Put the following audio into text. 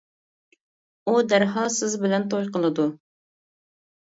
ئۇ دەرھال سىز بىلەن توي قىلىدۇ.